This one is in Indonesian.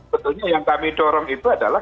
betulnya yang kami dorong itu adalah